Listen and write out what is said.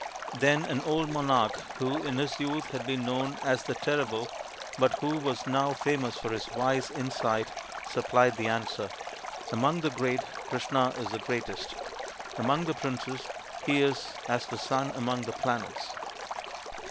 " Then an old monarch, who in his youth had been known as " the Terrible," but who was now famous for his wise insight, supplied the answer, " Among the great, Krishna is the greatest. Among the princes he is as the sun among the planets."